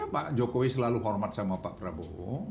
pak jokowi selalu hormat sama pak prabowo